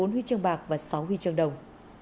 bốn huy chương bạc và sáu huy chương đồng